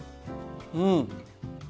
うん！